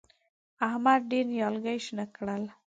احمد ډېر نيالګي شنه کړل.